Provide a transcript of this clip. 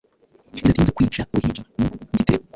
Bidatinze kwica uruhinja mu gitereko